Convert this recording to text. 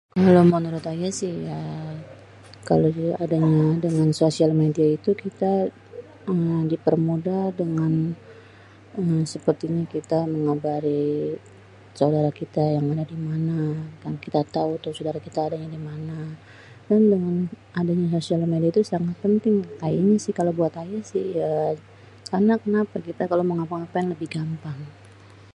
kalo menurut aye si ya, kalo dengan adanya sosial media itu kita eee dipermudah dengan sepertinya kita mengabari sodara kita yang ada dimana kan kita tau tuh sodara kita adanya dimana, kan dengan adanya sosial media itu sangat penting, kalo buat aye si ya enak lah kalo kita mau ngapa-ngapain lebih gampang